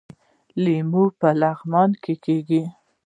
لیمو په لغمان کې کیږي